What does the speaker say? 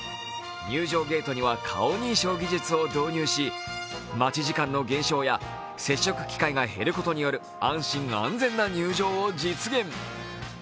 入場ゲートには顔認証技術を導入し待ち時間の減少や接触機会が減ることによる安心・安全な入場を実現。